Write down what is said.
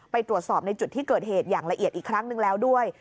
ไปตรวจสอบในจุดที่เกิดเหตุอย่างละเอียดอีกครั้งนึงแล้วด้วย